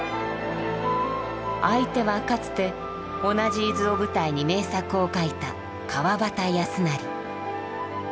相手はかつて同じ伊豆を舞台に名作を書いた川端康成。